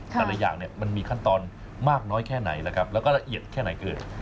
แต่ละอย่างมันมีขั้นตอนมากน้อยแค่ไหนแล้วก็ละเอียดแค่ไหนกัน